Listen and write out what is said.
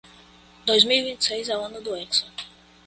Dois mil e vinte seis é o ano do hexa.